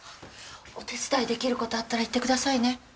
お手伝いできる事あったら言ってくださいね。